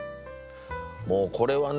もうこれはね